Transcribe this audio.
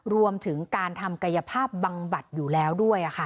รวมถึงการทำกายภาพบำบัดอยู่แล้วด้วย